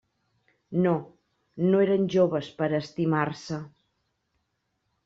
No, no eren joves per a estimar-se.